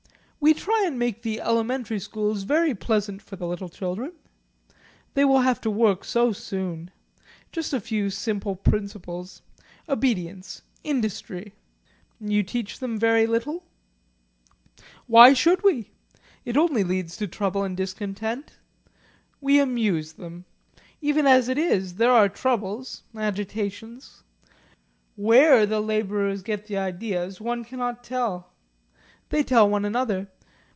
"We try and make the elementary schools very pleasant for the little children. They will have to work so soon. Just a few simple principles obedience industry." "You teach them very little?" "Why should we? It only leads to trouble and discontent. We amuse them. Even as it is there are troubles agitations. Where the labourers get the ideas, one cannot tell. They tell one another.